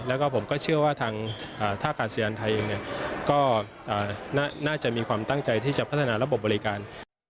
แล้วก็ผมก็เชื่อว่าทางท่ากาศยานไทยเองก็น่าจะมีความตั้งใจที่จะพัฒนาระบบบบริการ